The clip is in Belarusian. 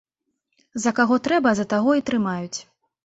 За каго трэба, за таго і трымаюць.